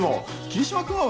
桐島君は。